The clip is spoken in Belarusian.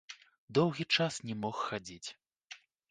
Доўгі час не мог хадзіць.